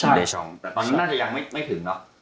ตอนนั้นน่าจะยังไม่ถึงเนอะ